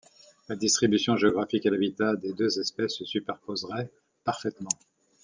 La distribution géographique et l'habitat des deux espèces se superposeraient parfaitement.